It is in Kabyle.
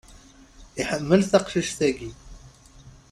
Iḥemmel taqcict-agi.